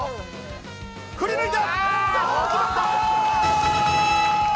振り抜いた！